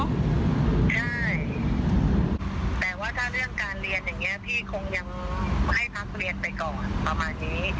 ใช่แต่ว่าถ้าเรื่องการเรียนอย่างนี้พี่คงยังให้พักเรียนไปก่อนประมาณนี้